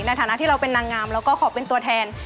ในฐานะที่เราเป็นนางงามแล้วก็ขอเป็นตัวแทน